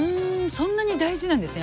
そんなに大事なんですね